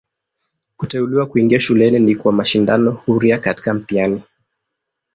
Kuteuliwa kuingia shuleni ni kwa mashindano huria katika mtihani.